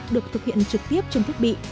được thực hiện trực tiếp trên thiết bị